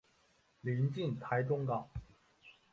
临近台中港。